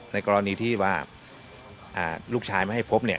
ในกรณีที่ว่าลูกชายไม่ให้พบเนี่ย